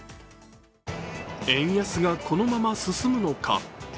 円安がこのまま進むのか。